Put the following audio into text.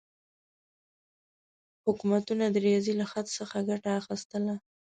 حکومتونه د ریاضي له خط څخه ګټه اخیستله.